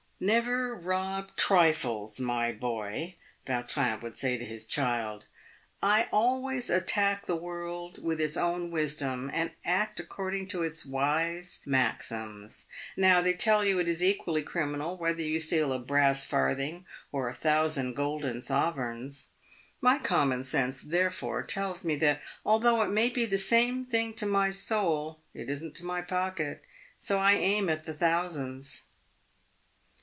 " Never rob trifles, my boy," Vautrin would say to his child. " I always attack the world with its own wisdom, and act according to its wise maxims. Now they tell you that it is equally criminal whether you steal a brass farthing or a thousand golden sovereigns. My common sense therefore tells me, that although it may be the same thing to my soul, it isn't to my pocket, so I aim at the thousands."